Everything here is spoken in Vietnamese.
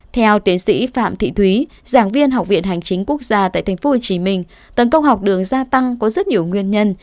theo tiến sĩ phạm thị thúy giảng viên học viện hành chính quốc gia tại tp hcm tấn công học đường gia tăng có rất nhiều nguyên nhân